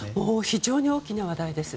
非常に大きな話題です。